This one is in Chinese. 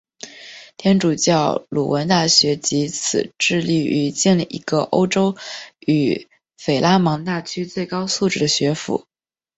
天主教鲁汶大学藉此致力于建立一个欧洲与弗拉芒大区最高素质的学府。